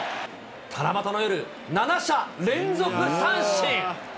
七夕の夜、７者連続三振。